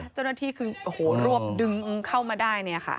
เจ้าหน้าที่คือโอ้โหรวบดึงเข้ามาได้เนี่ยค่ะ